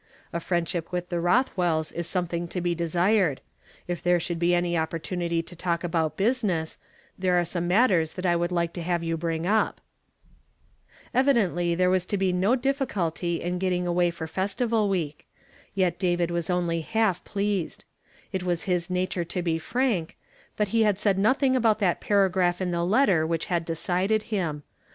A friendship with the Rothwells is something to be desired. If there should be any ox^portunity to *^filti' 214 YfiSOJERDAY FRAMED IN TO DAV. talk about business, there are some matters tluil I would like to have you bring up." Evidently there was to be no difficulty in guv ting away for Festival Week ; yet David was only half pleased. It Avas his nature to be frank, but he had said notliing about that paragraph in the letter which had decided him.